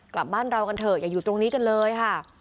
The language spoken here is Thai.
กลับบ้านเรากันเถอะอย่าอยู่ตรงนี้กันเลยค่ะ